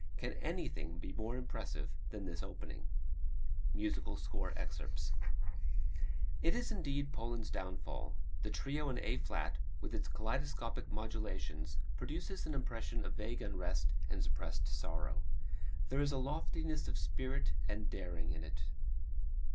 Can anything be more impressive than this opening? [Musical score excerpt] It is indeed Poland's downfall. The Trio in A flat, with its kaleidoscopic modulations, produces an impression of vague unrest and suppressed sorrow. There is loftiness of spirit and daring in it.